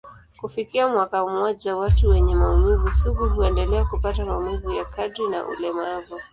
Kufikia mwaka mmoja, watu wenye maumivu sugu huendelea kupata maumivu ya kadri na ulemavu.